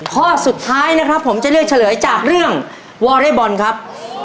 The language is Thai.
ข้อสุดท้ายนะครับผมจะเลือกเฉลยจากเรื่องวอเรย์บอลครับ